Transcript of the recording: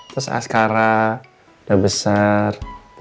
terus askara udah besar